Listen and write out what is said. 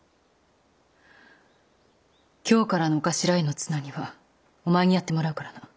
今日からのお頭へのつなぎはお前にやってもらうからな。